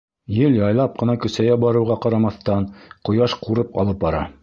Ел яйлап ҡына көсәйә барыуға ҡарамаҫтан, ҡояш ҡурып алып бара.